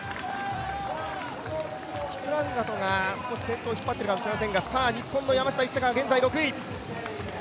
キプランガトが少し先頭を引っ張っているかもしれませんがさあ、日本の山下一貴は現在６位。